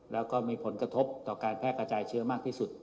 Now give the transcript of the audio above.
แล้วก็มีผลกระทบต่อการแพร่กระจายเชื้อมากที่สุด